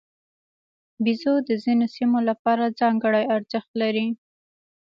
بیزو د ځینو سیمو لپاره ځانګړی ارزښت لري.